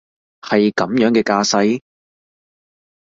係噉樣嘅架勢？